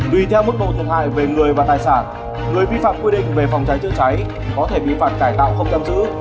tùy theo mức một mục hai về người và tài sản người vi phạm quy định về phòng cháy chữa cháy có thể bị phạt cải tạo không chăm dữ